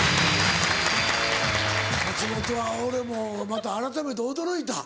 松本は俺もうまたあらためて驚いた。